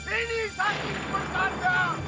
ini sakit bertanda